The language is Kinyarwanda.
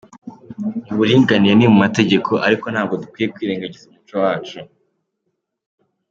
Uburinganire ni mu mategeko ariko ntabwo dukwiye kwirengangiza umuco wacu”.